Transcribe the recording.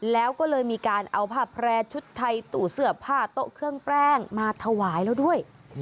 แล้วก็เลยมีการเอาผ้าแพร่ชุดไทยตู้เสื้อผ้าโต๊ะเครื่องแป้งมาถวายแล้วด้วย